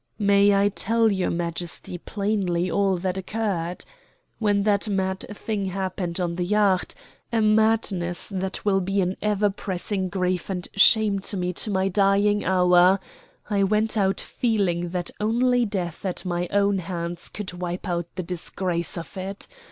"May I tell your Majesty plainly all that occurred? When that mad thing happened on the yacht a madness that will be an ever pressing grief and shame to me to my dying hour I went out feeling that only death at my own hands could wipe out the disgrace of it.